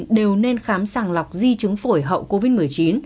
đều nên khám sàng lọc di chứng phổi hậu covid một mươi chín